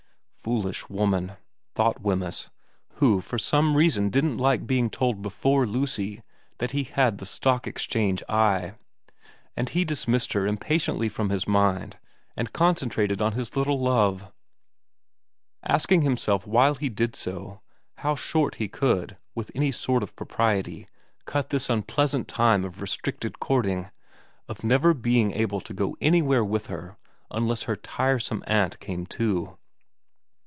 ' Foolish woman,' thought Wemyss, who for some reason didn't like being told before Lucy that he had 84 VERA vm the Stock Exchange eye ; and he dismissed her im patiently from his mind and concentrated on his little love, aeking himself while he did so how short he could, with any sort of propriety, cut this unpleasant time of restricted courting, of never being able to go anywhere with her unless her tiresome aunt came too.